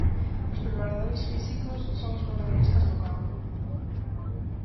Os preparadores físicos son os protagonistas no campo.